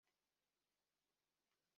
Nabo bati “Yego"